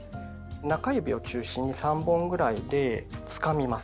中指を中心に３本ぐらいでつかみます。